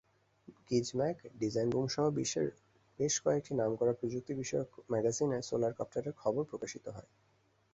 Gizmag, ডিজাইনবুমসহ বিশ্বের বেশ কয়েকটি নামকরা প্রযুক্তিবিষয়ক ম্যাগাজিনে সোলারকপ্টারের খবর প্রকাশিত হয়।